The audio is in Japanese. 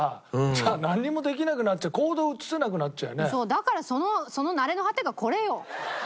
だからそのその成れの果てがこれよ。